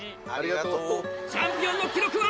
チャンピオンの記録は。